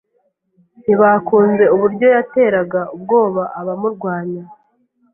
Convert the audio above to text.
Ntibakunze uburyo yateraga ubwoba abamurwanya.